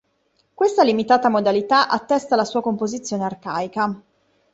Questa limitata modalità attesta la sua composizione arcaica.